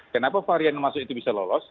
kenapa varian yang masuk itu bisa lolos